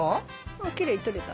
あきれいに撮れた。